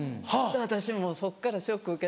私もそっからショック受けて。